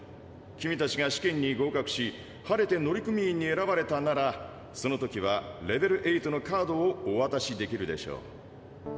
君たちが試験に合格し晴れて乗組員に選ばれたならその時はレベル８のカードをおわたしできるでしょう。